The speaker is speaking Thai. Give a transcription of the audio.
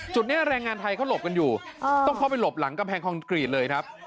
จุดนี้แรงงานไทยเขาหลบกันอยู่ต้องเข้าไปหลบหลังกำแพงคอนกรีตเลยครับ